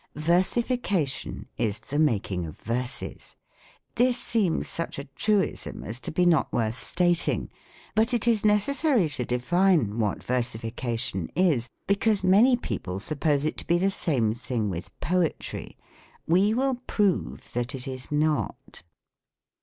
Versification is the making of verses. This seems such a truism as to be not worth stating; but it is necessary to define what Versification is, because many people suppose it to be the same ihing with poetry. We will prove that it is not.